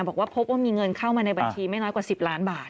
บอกว่าพบว่ามีเงินเข้ามาในบัญชีไม่น้อยกว่า๑๐ล้านบาท